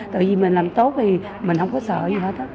tại vì mình làm tốt thì mình không có sợ gì hết